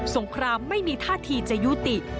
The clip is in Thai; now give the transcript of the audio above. งครามไม่มีท่าทีจะยุติ